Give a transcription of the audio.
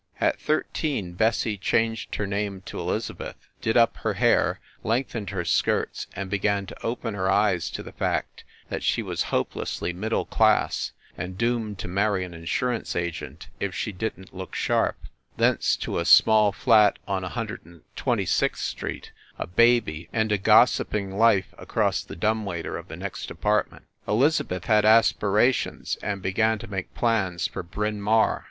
At thirteen Bessie changed her name to Eliza beth, did up her hair, lengthened her skirts and began to open her eyes to the fact that she was hope lessly middle class, and doomed to marry an insur ance agent if she didn t look sharp thence to a small flat on a Hundred and twenty sixth street, a baby and a gossiping life across the dumb waiter of the next apartment. Elizabeth had aspirations, and began to make plans for Bryn Mawr.